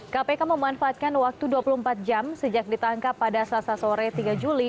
kpk memanfaatkan waktu dua puluh empat jam sejak ditangkap pada selasa sore tiga juli